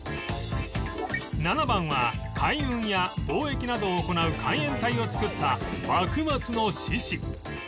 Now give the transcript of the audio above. ７番は海運や貿易などを行う海援隊を作った幕末の志士